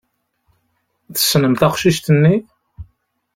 Tessnem taqcict-nni?